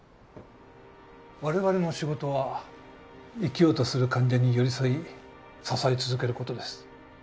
我々の仕事は生きようとする患者に寄り添い支え続けることです